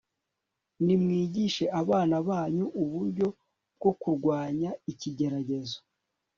Nimwigishe Abana Banyu Uburyo bwo Kurwanya Ikigeragezo